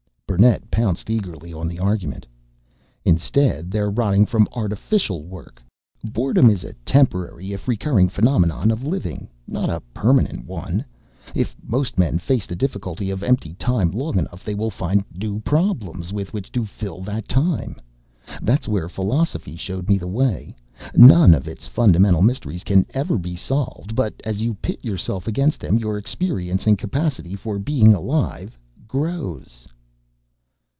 Burnett pounced eagerly on the argument. "Instead they're rotting from artificial work. Boredom is a temporary, if recurring phenomenon of living, not a permanent one. If most men face the difficulty of empty time long enough they find new problems with which to fill that time. That's where philosophy showed me the way. None of its fundamental mysteries can ever be solved but, as you pit yourself against them, your experience and capacity for being alive grows."